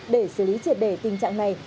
để xử lý triệt đề tình trạng này